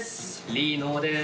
リノです。